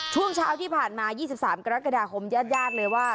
ช่วงเช้าที่ผ่านมา๒๓กรกฎาคมญาติเลยว่า